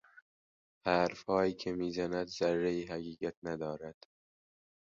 حرفهایی که میزند ذرهای حقیقت ندارد.